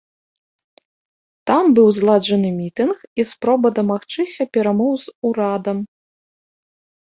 Там быў зладжаны мітынг і спроба дамагчыся перамоў з урадам.